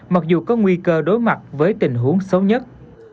mặc dù có nguy cơ đối mặt với tình huống xấu nhất